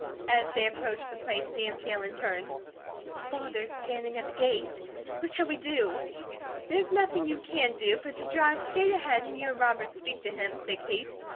As they approached the place Nancy Ellen turned. "Father's standing at the gate. What shall we do?" "There's nothing you can do, but drive straight ahead and you and Robert speak to him," said Kate.